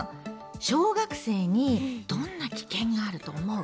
小学生にどんな危険があると思う？